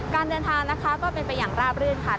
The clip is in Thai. การเดินทางเป็นไปอย่างราบรื่น